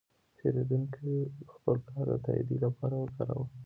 پیرودونکی خپل کارت د تادیې لپاره وکاراوه.